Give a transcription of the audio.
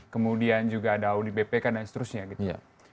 kemudian juga ada audit bpk dan seterusnya